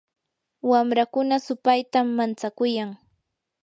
wamrakuna supaytam mantsakuyan.